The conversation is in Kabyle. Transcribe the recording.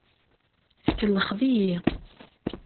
Tkellxeḍ-iyi.